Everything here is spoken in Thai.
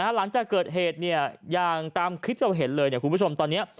หลังจากเกิดเหตุอย่างตามคลิปเราเห็นเลยคุณผู้ชมตอนนี้